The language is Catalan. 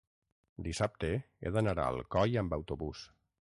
Dissabte he d'anar a Alcoi amb autobús.